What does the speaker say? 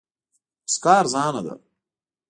موسکا ارزانه ده.